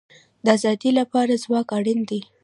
د ارادې لپاره ځواک اړین دی